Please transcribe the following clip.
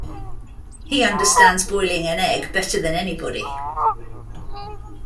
He understands boiling an egg better than anybody.